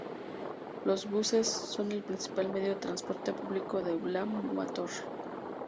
Los buses son el principal medio de transporte público en Ulán Bator.